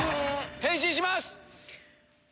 変身します。